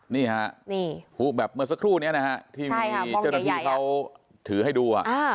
นี่ฮะพูดแบบเมื่อสักครู่นี้นะฮะที่มีเจ้าหน้าที่เขาถือให้ดู